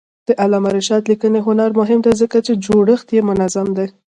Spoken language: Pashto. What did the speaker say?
د علامه رشاد لیکنی هنر مهم دی ځکه چې جوړښت یې منظم دی.